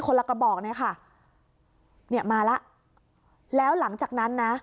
ละกระบอกเลยค่ะเนี่ยมาแล้วแล้วหลังจากนั้นนะ